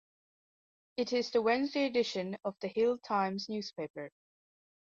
It is the Wednesday edition of "The Hill Times" newspaper.